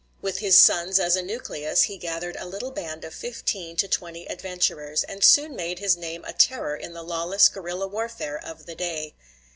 With his sons as a nucleus, he gathered a little band of fifteen to twenty adventurers, and soon made his name a terror in the lawless guerrilla warfare of the day.